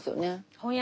翻訳。